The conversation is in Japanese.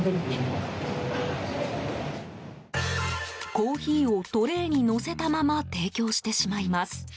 コーヒーをトレーに載せたまま提供してしまいます。